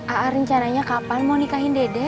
a a rencananya kapan mau nikahin dede